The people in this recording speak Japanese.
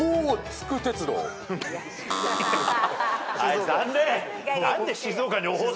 はい残念！